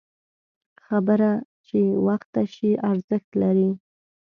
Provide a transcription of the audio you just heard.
خبره چې وخته وشي، ارزښت لري